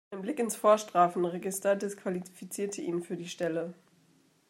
Ein Blick ins Vorstrafenregister disqualifizierte ihn für die Stelle.